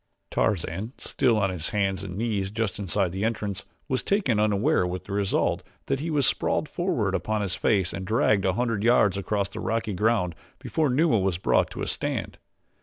Tarzan, still on his hands and knees just inside the entrance, was taken unaware with the result that he was sprawled forward upon his face and dragged a hundred yards across the rocky ground before Numa was brought to a stand.